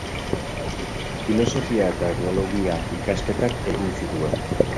Filosofia- eta Teologia-ikasketak egin zituen.